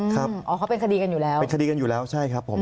อ๋อเขาเป็นคดีกันอยู่แล้วเป็นคดีกันอยู่แล้วใช่ครับผม